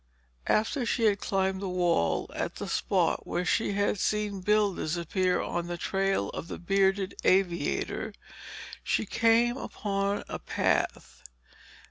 After she had climbed the wall at the spot where she had seen Bill disappear on the trail of the bearded aviator, she came upon a path.